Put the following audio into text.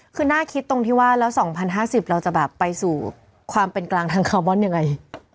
คือน่าคิดตรงที่ว่าแล้ว๒๐๕๐เราจะแบบไปสู่ความเป็นกลางทางคาร์บอนยังไง